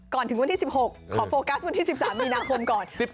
ถึงวันที่๑๖ขอโฟกัสวันที่๑๓มีนาคมก่อน